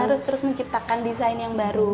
harus terus menciptakan desain yang baru